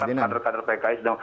saya mantap kader kader pki